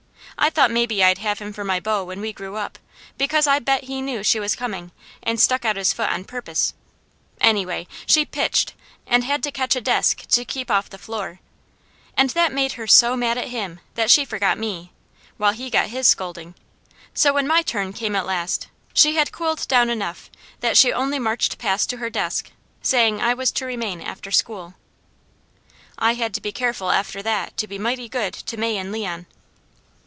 I thought maybe I'd have him for my beau when we grew up, because I bet he knew she was coming, and stuck out his foot on purpose; anyway, she pitched, and had to catch a desk to keep off the floor, and that made her so mad at him, that she forgot me, while he got his scolding; so when my turn came at last, she had cooled down enough that she only marched past to her desk, saying I was to remain after school. I had to be careful after that to be mighty good to May and Leon.